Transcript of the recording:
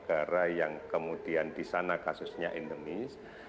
orang orang dari negara yang kemudian di sana kasusnya indenis